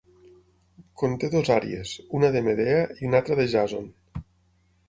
Conté dues "àries", una de Medea i una altra de Jàson.